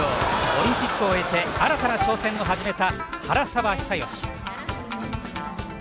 オリンピックを終えて新たな挑戦を始めた原沢久喜。